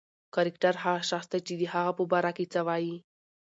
کرکټر هغه شخص دئ، چي د هغه په باره کښي څه وايي.